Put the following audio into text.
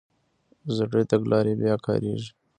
زړې تګلارې بیا کارېږي.